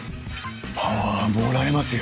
パワーもらえますよ。